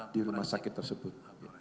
di rumah sakit tersebut